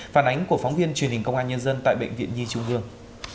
phản ánh của phóng viên truyền hình công an nhân dân tại bệnh viện nhi trung hương